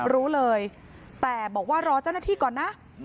รู้เลยแต่บอกว่ารอเจ้าหน้าที่ก่อนนะ